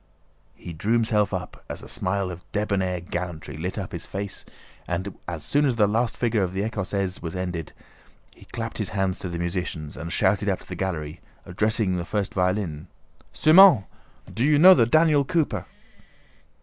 He drew himself up, a smile of debonair gallantry lit up his face and as soon as the last figure of the écossaise was ended, he clapped his hands to the musicians and shouted up to their gallery, addressing the first violin: "Semën! Do you know the Daniel Cooper?"